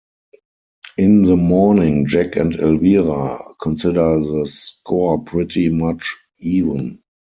In the morning, Jack and Elvira consider the score pretty much even.